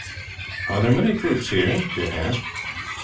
"Are there many troops there?" Dick asked.